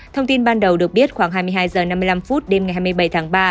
thông tin ban đầu được biết khoảng hai mươi hai h năm mươi năm đêm ngày hai mươi bảy tháng ba